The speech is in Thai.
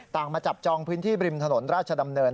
มาจับจองพื้นที่บริมถนนราชดำเนิน